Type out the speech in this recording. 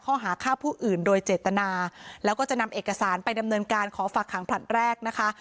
ข้อหาฆ่าผู้อื่นโดยเจตนาแล้วก็จะนำเอกสารไปดำเนินการขอฝากหางผลัดแรกนะคะ